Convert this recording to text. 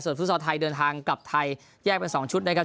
ฟุตซอลไทยเดินทางกลับไทยแยกเป็น๒ชุดนะครับ